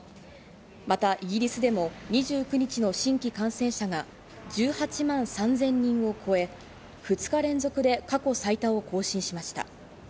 またイギリスでも２９日の新規感染者が１８万３０００人を超え、２日連続で過去最多を更新しました。